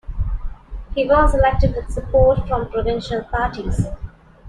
He was elected with support from provincial parties.